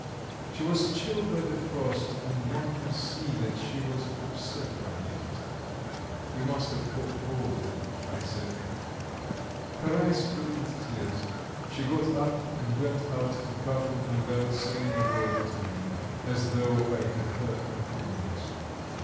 She was chilled by the frost and one could see that she was upset by it. "You must have caught cold," I said. Her eyes filled with tears; she got up and went out to Karpovna without saying a word to me, as though I had hurt her feelings.